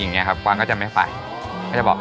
มันก็จะเปิด